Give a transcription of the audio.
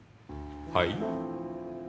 はい？